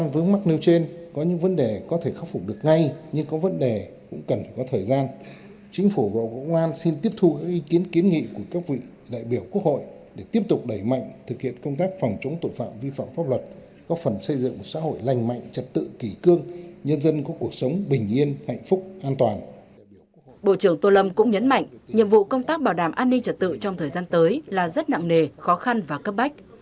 bộ trưởng tô lâm cũng nhấn mạnh nhiệm vụ công tác bảo đảm an ninh trật tự trong thời gian tới là rất nặng nề khó khăn và cấp bách